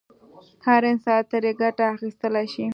هر انسان ترې ګټه اخیستلای شي.